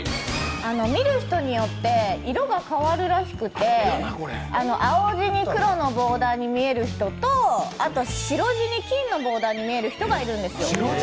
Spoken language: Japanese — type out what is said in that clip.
見る人によって、色が変わるらしくて青地に黒のボーダーに見える人とあと、白地に金のボーダーに見える人がいるんですよ。